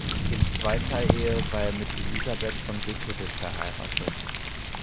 In zweiter Ehe war er mit Elisabeth von Wickede verheiratet.